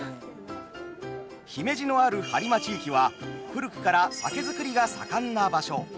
姫路のある播磨地域は古くから酒造りが盛んな場所。